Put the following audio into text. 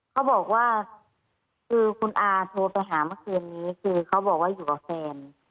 เขาบอกว่าคือคุณอาโทรไปหาเมื่อคืนนี้คือเขาบอกว่าอยู่กับแฟน